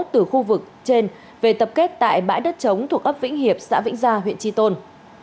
từ khu vực trên về tập kết tại bãi đất chống thuộc ấp vĩnh hiệp xã vĩnh gia huyện tri tôn